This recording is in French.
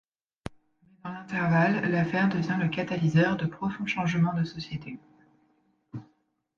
Mais, dans l'intervalle, l'affaire devient le catalyseur de profonds changements de société.